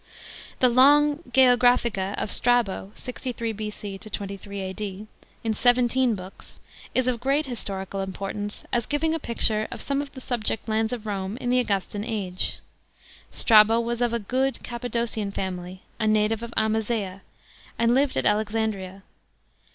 The long Oeo<iraphica of STRABO (63 R.C. 23 A.D.), in seventeen Books, is of great historical importance as giving a picture of some of the subject lauds of Rome in the Augustan age. Strabo wax of a good Cappadocian family, a native of Amasea, and lived at Alex andria.